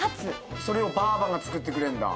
それをバァバが作ってくれんだ。